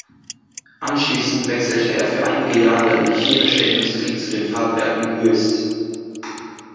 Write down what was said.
Anschließend wechselte er für einige Jahre in die chemische Industrie zu den Farbwerken Hoechst.